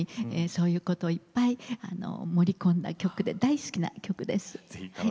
そういうことをいっぱい盛り込んだ曲で大好きな曲です。